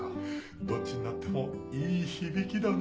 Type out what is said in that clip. どっちになってもいい響きだな。